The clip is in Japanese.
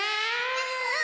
うん！